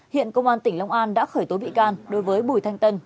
hiện công an tỉnh long an đã khởi tố bị can đối với bùi thanh tân